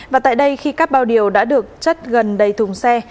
và tại đây khi các bao điều đã được chất gần đầy thùng xe